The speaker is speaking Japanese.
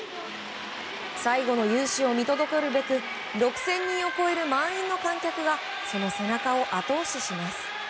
最後の雄姿を見届けるべく６０００人を超える満員の観客がその背中を後押しします。